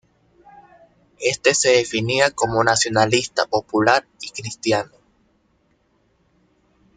Este se definía como "nacionalista, popular y cristiano".